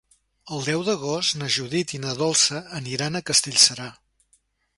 El deu d'agost na Judit i na Dolça aniran a Castellserà.